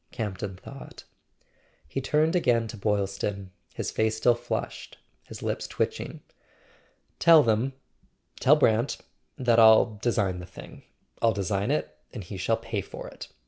Camp ton thought. He turned again to Boylston, his face still flushed, his lips twitching. "Tell them—tell Brant—that I'll design the thing; I'll design it, and he shall pay for it.